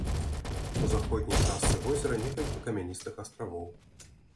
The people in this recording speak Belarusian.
У заходняй частцы возера некалькі камяністых астравоў.